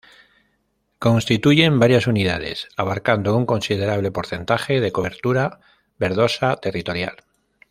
Constituyen varias unidades abarcando un considerable porcentaje de cobertura verdosa territorial.